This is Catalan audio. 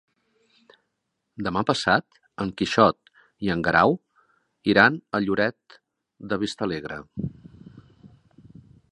Demà passat en Quixot i en Guerau iran a Lloret de Vistalegre.